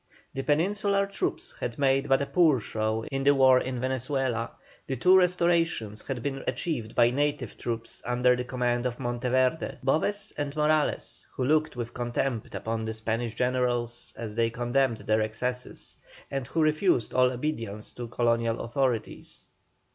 The Peninsular troops had made but a poor show in the war in Venezuela; the two restorations had been achieved by native troops under the command of Monteverde, Boves, and Morales, who looked with contempt upon the Spanish generals as they condemned their excesses, and who refused all obedience to the colonial authorities.